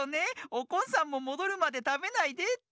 おこんさんももどるまでたべないでって。